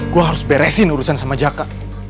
gue harus beresin urusan sama jaka